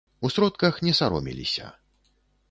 У сродках не саромеліся.